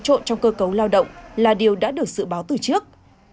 trộn trong cơ cấu lao động là điều đã được dự báo từ trước